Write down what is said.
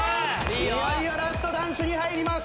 いよいよラストダンスに入ります。